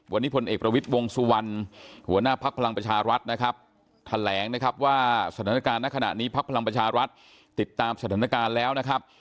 วันนี้พลเอกประวิทย์วงสุวรรณหัวหน้าภักดิ์พลังประชารัฐนะครับแถลงนะครับว่าสถานการณ์ในขณะนี้พักพลังประชารัฐติดตามสถานการณ์แล้วนะครับ